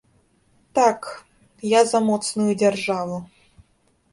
Так, я за моцную дзяржаву.